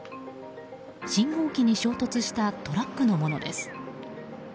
信号機に衝突したトラックのものです。